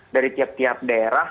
dari tiap tiap daerah